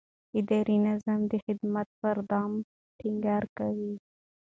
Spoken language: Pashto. اداري نظام د خدمت پر دوام ټینګار کوي.